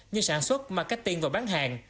như sản xuất marketing và bán hàng